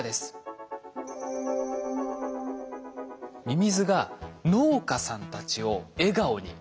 ミミズが農家さんたちを笑顔に。